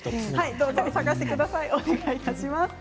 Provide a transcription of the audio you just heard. どうぞ探してください。